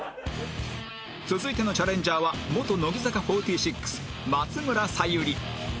続いてのチャレンジャーは元乃木坂４６松村沙友理